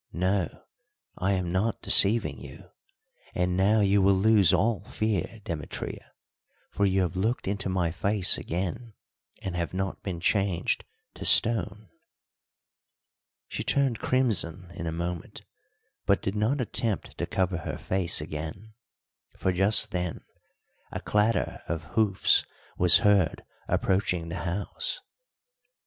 "No, I am not deceiving you. And now you will lose all fear, Demetria, for you have looked into my face again and have not been changed to stone." She turned crimson in a moment; but did not attempt to cover her face again, for just then a clatter of hoofs was heard approaching the house.